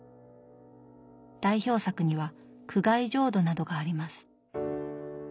代表作には「苦海浄土」などがあります。